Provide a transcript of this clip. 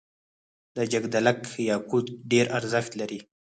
د جګدلک یاقوت ډیر ارزښت لري